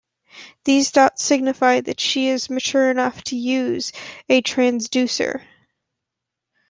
These dots signify that she is mature enough to use a Transducer.